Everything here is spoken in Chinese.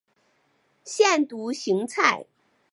腺独行菜